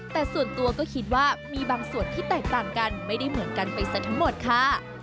แต่ส่วนตัวก็คิดว่ามีบางส่วนที่แตกต่างกันไม่ได้เหมือนกันไปซะทั้งหมดค่ะ